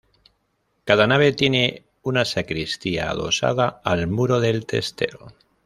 Cada nave tiene una sacristía adosada al muro del testero.